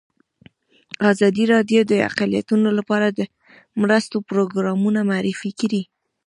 ازادي راډیو د اقلیتونه لپاره د مرستو پروګرامونه معرفي کړي.